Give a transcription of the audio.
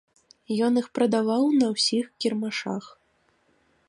Ён іх прадаваў на ўсіх кірмашах.